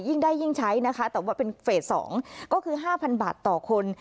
ยิ่งได้ยิ่งใช้นะคะแต่ว่าเป็นเฟส๒ก็คือ๕๐๐บาทต่อคน